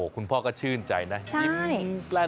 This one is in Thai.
คุณพ่อก็ชื่นใจนะยิ้มนี่นยักษ์เลย